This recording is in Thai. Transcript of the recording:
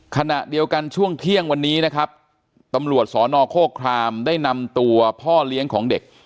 ขณะเดียวกันช่วงเที่ยงวันนี้นะครับตำรวจสนโฆครามได้นำตัวพ่อเลี้ยงของเด็ก